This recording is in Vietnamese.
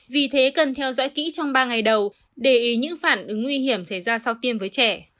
vì thế cần theo dõi kỹ trong ba ngày đầu để ý những phản ứng nguy hiểm xảy ra sau tiêm với trẻ